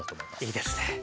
いいですね。